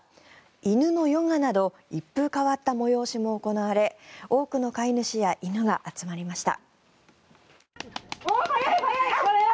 犬のヨガなど一風変わった催しも行われ多くの飼い主や犬が集まりました。